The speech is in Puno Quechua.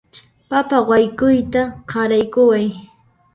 Papa wayk'uta qaraykuway